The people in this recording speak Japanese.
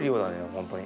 本当に。